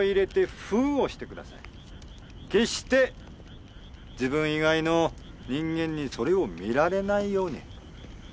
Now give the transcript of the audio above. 決して自分以外の人間にそれを見られないように。